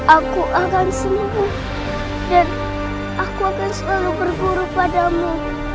aku akan sembuh dan aku akan selalu berburu padamu